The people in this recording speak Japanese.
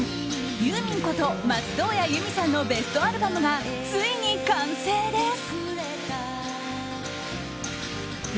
ユーミンこと松任谷由実さんのベストアルバムがついに完成です。